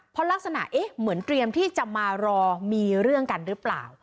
เพราะลักษณะเอ๊ะเหมือนเตรียมที่จะมารอมีเรื่องกันหรือเปล่า